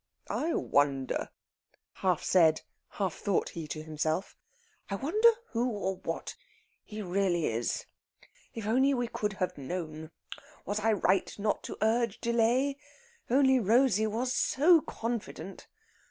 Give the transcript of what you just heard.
"I wonder," half said, half thought he to himself, "I wonder who or what he really is?... If only we could have known!... Was I right not to urge delay?... Only Rosey was so confident....